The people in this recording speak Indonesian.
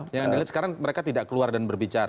yang anda lihat sekarang mereka tidak keluar dan berbicara